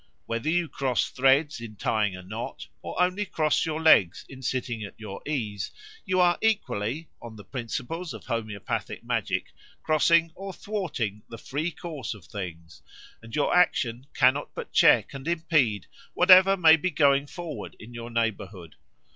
Whether you cross threads in tying a knot, or only cross your legs in sitting at your ease, you are equally, on the principles of homoeopathic magic, crossing or thwarting the free course of things, and your action cannot but check and impede whatever may be going forward in your neighbourhood.